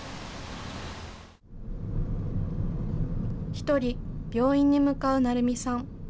１人、病院に向かう成美さん。